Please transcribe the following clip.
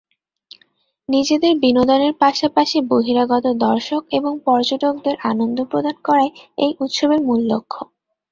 নিজেদের বিনোদনের পাশাপাশি বহিরাগত দর্শক এবং পর্যটকদের আনন্দ প্রদান করাই এই উৎসবের মূল লক্ষ্য।